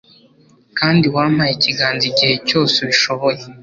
Kandi wampaye ikiganza igihe cyose ubishoboye